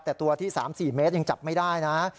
แต่ตัวที่๓๔เมตรยังจับไม่ได้นะ